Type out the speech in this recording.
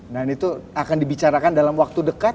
nah itu akan dibicarakan dalam waktu dekat